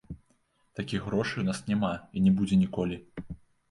Такіх грошай у нас няма, і не будзе ніколі.